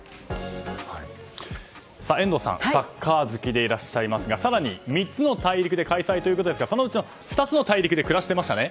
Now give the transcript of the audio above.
遠藤さん、サッカー好きでいらっしゃいますが更に、３つの大陸で開催ということですがそのうちの２つの大陸で暮らしていましたね？